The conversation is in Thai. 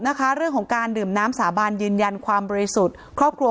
เรื่องของการดื่มน้ำสาบานยืนยันความบริสุทธิ์ครอบครัว